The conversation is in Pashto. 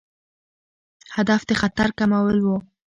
هدف د خطر کمول وو.